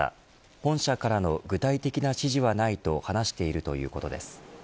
本社からの具体的な指示はないと話しているということです。